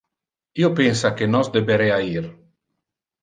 Io pensa que nos deberea ir.